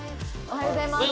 おはようございます。